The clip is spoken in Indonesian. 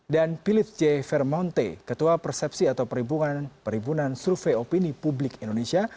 dan pilip j fermonte ketua persepsi atau perhimpunan survei opini publik indonesia